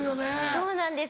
そうなんです。